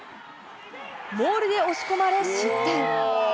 モールで押し込まれ、失点。